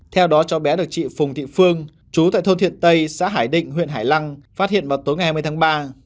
theo đó cháu bé được chị phùng thị phương chú tại thôn thiện tây xã hải định huyện hải lăng phát hiện vào tối ngày hai mươi tháng ba